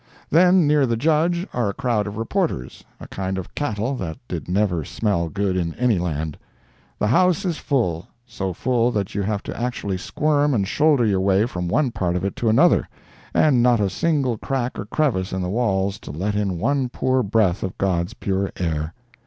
Then, near the Judge are a crowd of reporters—a kind of cattle that did never smell good in any land. The house is full—so full that you have to actually squirm and shoulder your way from one part of it to another—and not a single crack or crevice in the walls to let in one poor breath of God's pure air!